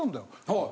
はい。